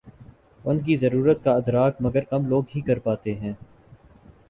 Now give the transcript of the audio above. ان کی ضرورت کا ادراک مگر کم لوگ ہی کر پاتے ہیں۔